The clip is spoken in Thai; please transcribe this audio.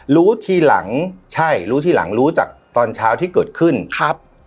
รู้ทีหลังใช่รู้ทีหลังรู้จากตอนเช้าที่เกิดขึ้นครับ